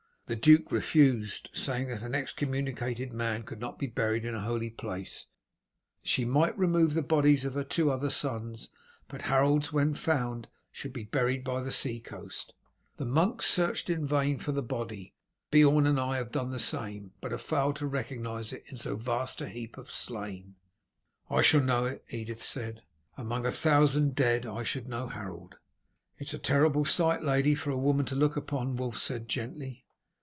The duke refused, saying that an excommunicated man could not be buried in a holy place; she might remove the bodies of her other two sons, but Harold's, when found, should be buried by the seacoast. The monks searched in vain for the body. Beorn and I have done the same, but have failed to recognize it in so vast a heap of slain." "I shall know it," Edith said. "Among a thousand dead I should know Harold." "It is a terrible sight, lady, for a woman to look upon," Wulf said gently.